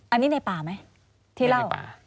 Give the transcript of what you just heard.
อันนี้ในป่าไหมที่เล่าไม่ในป่า